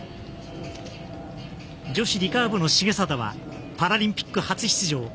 女子リカーブの重定はパラリンピック初出場。